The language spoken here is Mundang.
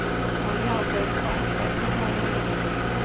Palyaŋ ɓe joŋ bal ne mawin ahe.